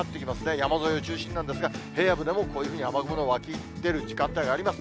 山沿いを中心なんですが、平野部でも、こういうふうに雨雲の湧き出る時間帯があります。